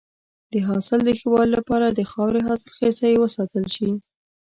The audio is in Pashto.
د حاصل د ښه والي لپاره د خاورې حاصلخیزی وساتل شي.